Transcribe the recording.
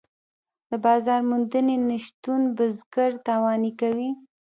د بازار موندنې نشتون بزګر تاواني کوي.